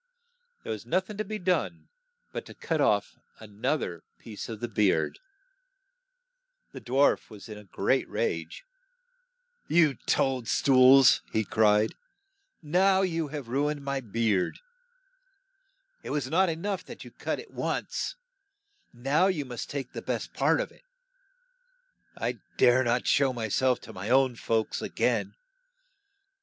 There was noth ing to be done but to cut off an oth er piece of the beard. 34 SNOW WHITE AND RED ROSE The dwarf was in a great rage. "You toad stools !" he cried. '' Now you have ru ined my beard. It was not e nough that you cut it once, now you must take the best part of it. I dare not show my self to my own folks a gain.